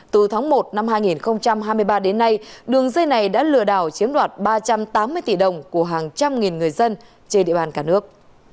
từ tháng một năm hai nghìn hai mươi ba đến nay đường dây này đã lừa đảo chiếm đoạt ba trăm tám mươi tỷ đồng của hàng trăm nghìn người dân trên địa bàn cả nước